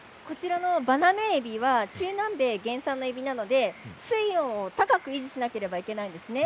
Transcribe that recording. バナメイエビは中南米原産のえびなので水温を高く維持しなければいけないですね。